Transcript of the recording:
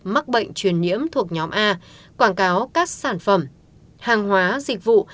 mắc bệnh truyền nhiễm thuộc nhóm a quảng cáo các sản phẩm hàng hóa dịch vụ